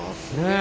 え？